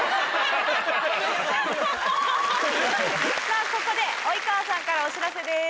さぁここで及川さんからお知らせです。